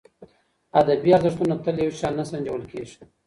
ادبي ارزښتونه تل یو شان نه سنجول کېږي.